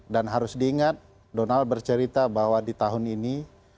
dan harus diingat donald bercerita bahwa di tahun ini